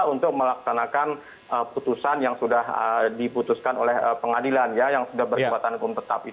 untuk melaksanakan putusan yang sudah diputuskan oleh pengadilan ya yang sudah berkekuatan hukum tetap